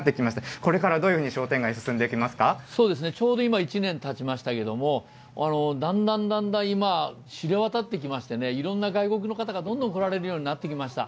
これからどういうふうに商店街、そうですね、ちょうど今、１年たちましたけど、だんだんだんだん今、知れわたってきましてね、いろんな外国の方がどんどん来られるようになってきました。